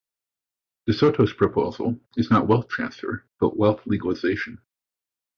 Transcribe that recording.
De Soto's proposal is not wealth transfer, but wealth legalization.